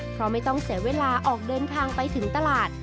เพราะไม่ต้องเสียเวลาออกเดินทางไปถึงตลาด